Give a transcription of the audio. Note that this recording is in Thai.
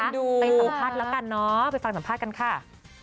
ไปเอาคัตละกันเนอะไปฟังสัมภาษณ์กันค่ะ